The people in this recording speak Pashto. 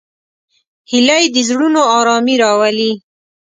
هیلۍ د زړونو آرامي راولي